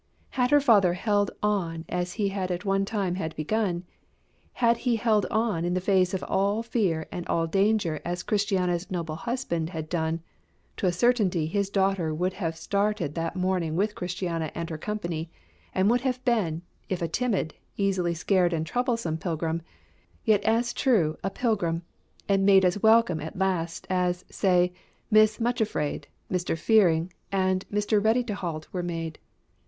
Had her father held on as he at one time had begun had he held on in the face of all fear and all danger as Christiana's noble husband had done to a certainty his daughter would have started that morning with Christiana and her company, and would have been, if a timid, easily scared, and troublesome pilgrim, yet as true a pilgrim, and made as welcome at last, as, say, Miss Much afraid, Mr. Fearing, and Mr. Ready to halt were made.